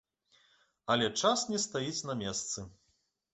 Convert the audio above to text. Але час не стаіць на месцы.